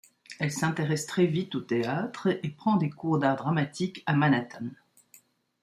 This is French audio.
Elle s'intéresse très vite au théâtre et prend des cours d'art dramatique à Manhattan.